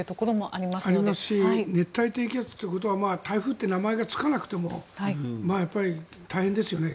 ありますし熱帯低気圧ということは台風って名前がつかなくても大変ですよね。